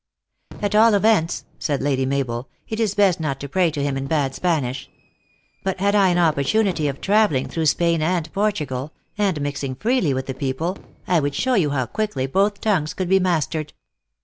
" At all events," said Lady Mabel, " it is best not to pray to him in bad Spanish. But had I an oppor tunity of traveling through Spain and Portugal, and mixing freely with the people, I would show you how quickly both tongues could be mastered."